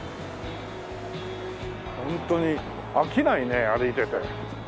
ホントに飽きないね歩いてて。